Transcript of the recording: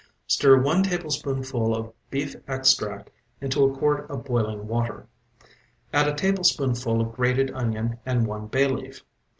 Stir one tablespoonful of beef extract into a quart of boiling water. Add a tablespoonful of grated onion and one bay leaf.